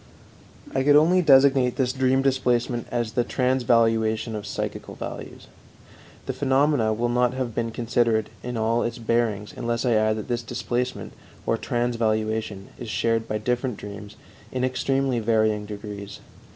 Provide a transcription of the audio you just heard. I could only designate this dream displacement as the transvaluation of psychical values. The phenomena will not have been considered in all its bearings unless I add that this displacement or transvaluation is shared by different dreams in extremely varying degrees.